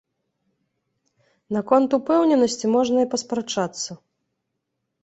Наконт упэўненасці можна і паспрачацца.